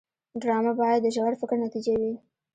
ډرامه باید د ژور فکر نتیجه وي